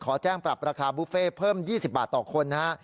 ขอแจ้งปรับราคาบุฟเฟ่เพิ่ม๒๐บาทต่อคนนะฮะ